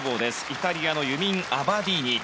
イタリアのユミン・アバディーニ。